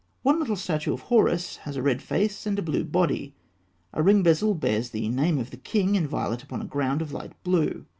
One little statuette of Horus has a red face and a blue body; a ring bezel bears the name of a king in violet upon a ground of light blue.